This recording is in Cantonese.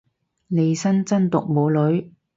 利申真毒冇女